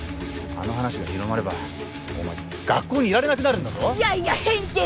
あの話が広まればお前学校にいられなくなるんだぞいやいや偏見！